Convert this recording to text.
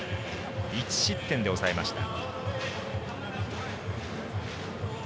１失点で抑えました。